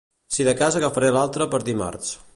Si de cas agafaré l'alta per dimarts